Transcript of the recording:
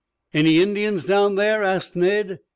"Any Indians down there?" asked Ned.